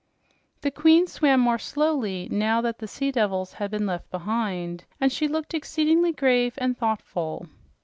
The queen swam more slowly now that the sea devils had been left behind, and she looked exceedingly grave and thoughtful.